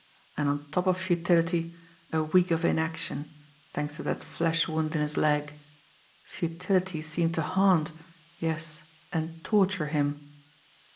And on top of futility, a week of inaction, thanks to that flesh wound in his leg. Futility seemed to haunt, yes, and torture him!